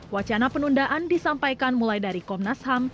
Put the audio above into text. wacana penundaan disampaikan mulai dari komnas ham